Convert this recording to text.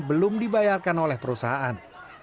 belum dibayarkan oleh perusahaan